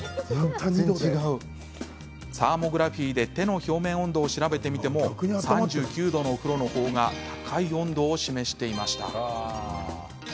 サーモグラフィーで手の表面温度を調べてみても３９度のお風呂の方が高い温度を示していました。